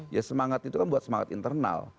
ya semangat itu kan buat semangat internal